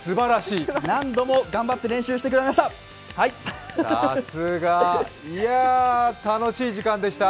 何度も頑張って練習してくれました。